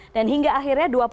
dan hingga akhirnya